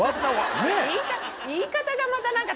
言い方がまた何か。